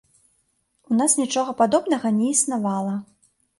У нас нічога падобнага не існавала.